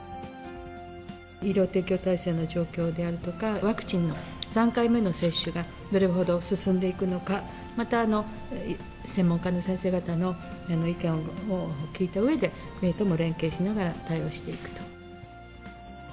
医療提供体制の状況であるとか、ワクチンの３回目の接種がどれほど進んでいくのか、また、専門家の先生方の意見を聞いたうえで、国とも連携しながら対応していくと。